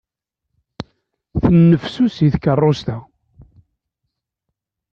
Tennefsusi tkerrust-a.